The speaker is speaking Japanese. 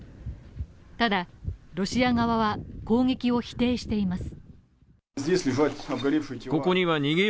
ただ、ロシア側は攻撃を否定しています。